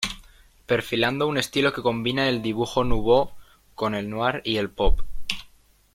Perfilando un estilo que combina el dibujo Nouveau con el Noir y el Pop.